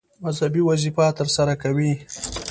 مذهبي وظیفه ترسره کوي.